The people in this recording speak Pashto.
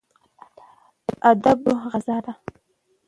ادب د روح غذا ده.